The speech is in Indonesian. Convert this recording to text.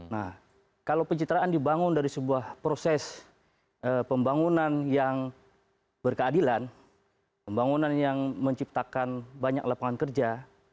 nah kalau pencitraan dibangun dari sebuah proses pembangunan yang berkeadilan pembangunan yang menciptakan banyak lapangan kerja